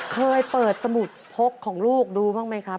เคยเปิดสมุดพกของลูกดูบ้างไหมครับ